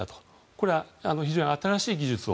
これは非常に新しい技術を